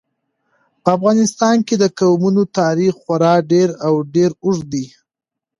په افغانستان کې د قومونه تاریخ خورا ډېر او ډېر اوږد دی.